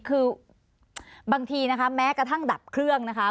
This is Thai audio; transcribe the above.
คือบางทีนะคะแม้กระทั่งดับเครื่องนะคะ